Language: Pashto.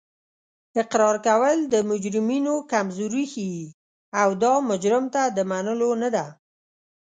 اقرار کول د مجرمینو کمزوري ښیي او دا مجرم ته د منلو نه ده